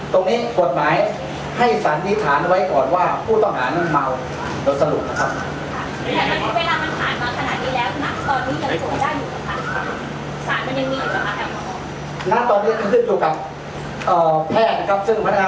ตรงนี้กฎหมายให้สันนิษฐานไว้ก่อนว่าผู้ต้องหานั้นเมาสรุปครับ